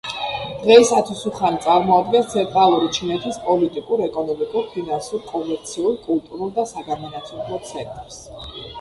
დღეისათვის, უხანი წარმოადგენს ცენტრალური ჩინეთის პოლიტიკურ, ეკონომიკურ, ფინანსურ, კომერციულ, კულტურულ და საგანმანათლებლო ცენტრს.